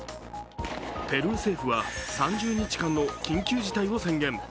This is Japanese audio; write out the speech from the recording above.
ペルー政府は３０日間の緊急事態を宣言。